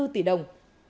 năm mươi bốn tỷ đồng